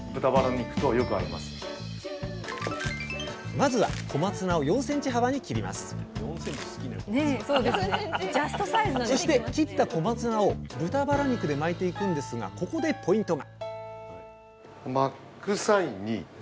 まずは小松菜をそして切った小松菜を豚バラ肉で巻いていくんですがここでポイントが！